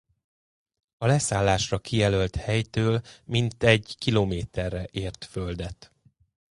A leszállásra kijelölt helytől mintegy kilométerre ért földet.